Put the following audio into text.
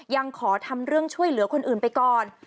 ยังขอทำเรื่องช่วยเหลือคนอื่นไปก่อน